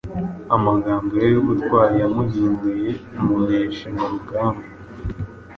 Amagambo ye y’ubutwari yamuhinduye umuneshi mu rugamba.